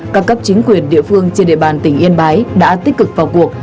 các cấp chính quyền địa phương trên địa bàn tỉnh yên bái đã tích cực vào cuộc